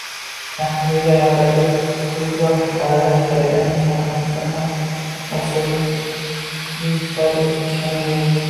raqibiga g‘azabli ko‘zyosh aralash qaragan sahnasidan ham ta’sirli chiqadi, ishonaver.